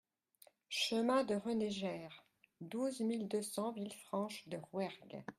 Chemin de René Jayr, douze mille deux cents Villefranche-de-Rouergue